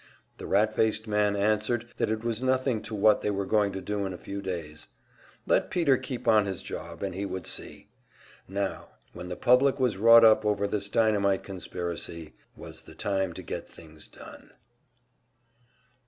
The rat faced man answered that it was nothing to what they were going to do in a few days. Let Peter keep on his job, and he would see! Now, when the public was wrought up over this dynamite conspiracy, was the time to get things done.